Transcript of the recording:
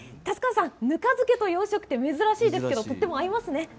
ぬか漬けと洋食って珍しいですが合いますね。